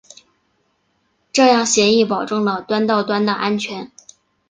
这样协议保证了端到端的安全。